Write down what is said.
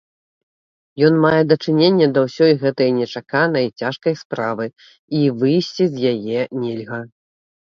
Ён мае дачыненне да ўсёй гэтай нечаканай, цяжкай справы, і выйсці з яе нельга.